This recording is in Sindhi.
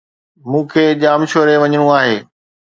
مون کي ڄامشوري وڃڻو آھي.